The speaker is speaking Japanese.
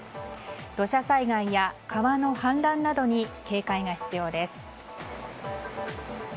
土砂災害や川の氾濫などに警戒が必要です。